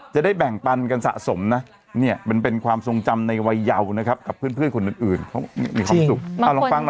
จะได้แบ่งปันกันสะสมนะเนี่ยมันเป็นความทรงจำในวัยยาวนะครับกับเพื่อนคนอื่นมีความสุข